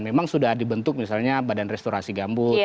memang sudah dibentuk misalnya badan restorasi gambut